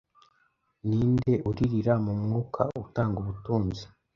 Ninde uririra mu mwuka utanga ubutunzi